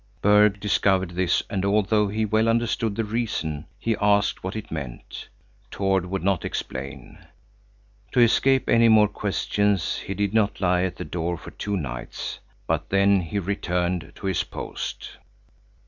Berg discovered this, and although he well understood the reason, he asked what it meant. Tord would not explain. To escape any more questions, he did not lie at the door for two nights, but then he returned to his post.